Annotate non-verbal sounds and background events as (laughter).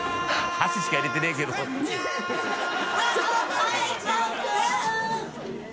箸しか入れてないけど (laughs)